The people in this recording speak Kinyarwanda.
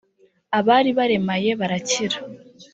abari baremaye, barakira